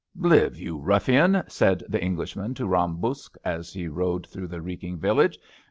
Live, you ruffian! " said the Englishman to Bam Buksh as he rode through the reeking village.